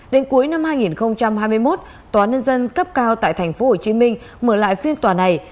đến cuối năm hai nghìn hai mươi một tòa nhân dân cấp cao tại tp hcm mở lại phiên tòa này